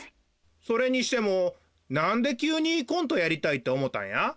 それにしてもなんできゅうにコントやりたいっておもたんや？